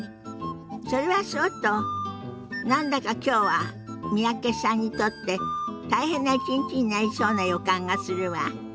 それはそうと何だかきょうは三宅さんにとって大変な一日になりそうな予感がするわ。